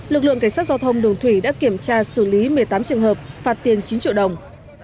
lực lượng cảnh sát giao thông đường thủy đã kiểm tra xử lý một mươi tám trường hợp phạt tiền chín triệu đồng